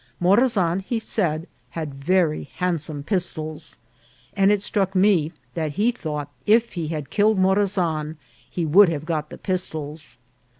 Morazan, he said^ had very handsome pis tols ; and it struck me that he thought if he had kil led Morazan he would have got the pistols.